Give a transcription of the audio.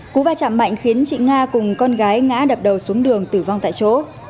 cú va chạm mạnh khiến chị nga cùng con gái ngã đập đầu xuống đường tử vong tại chỗ